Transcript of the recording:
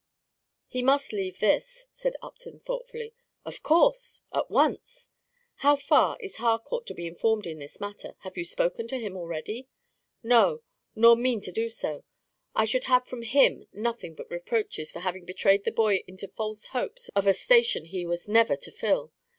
"He must leave this," said Upton, thoughtfully. "Of course, at once!" "How far is Harcourt to be informed in this matter; have you spoken to him already?" "No; nor mean to do so. I should have from him nothing but reproaches for having betrayed the boy into false hopes of a station he was never to fill.